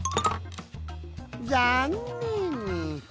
ざんねん。